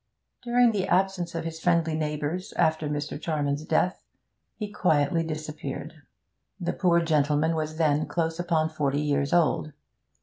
During the absence of his friendly neighbours after Mr. Charman's death, he quietly disappeared. The poor gentleman was then close upon forty years old.